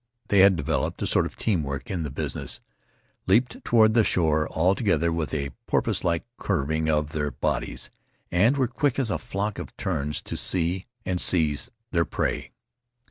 They had developed a sort of team work in the business, leaped toward the shore all together with a porpoise like curving of their bodies, and were as quick as a flock of terns to see and to seize their prey.